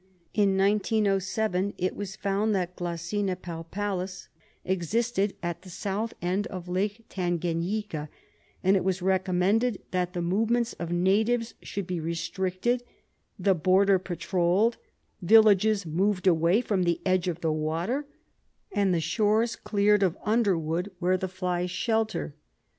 In 1907 it was found that Glossina palpalis existed at the south end of Lake Tanganyika, and it was recommended that the movements of natives should be restricted, the border patrolled, villages moved away from the edge of the water, and the shores cleared of underwood, where the flies shelter.